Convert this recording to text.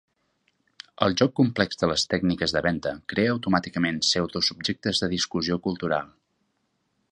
El joc complex de les tècniques de venda crea automàticament pseudosubjectes de discussió cultural.